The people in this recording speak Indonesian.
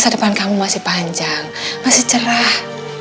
masa depan kamu masih panjang masih cerah